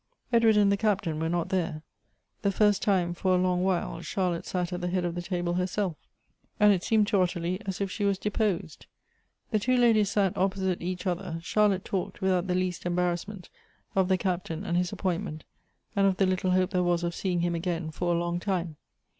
Edward and the Cap tain were not there. The first time, for a long while, Charlotte sat at the head of the table herself — and it Elective Affinities. 135 seemed to Ottilie as if she was deposed. The two ladies sat opposite each other; Charlotte talked, without the least embarrassment, of the Captain and his appointment, and of the little hope there was of seeing him again for a long time.